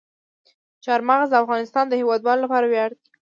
چار مغز د افغانستان د هیوادوالو لپاره ویاړ دی.